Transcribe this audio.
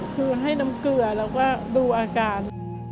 คือให้น้ำเกลือแล้วก็ดูอาการ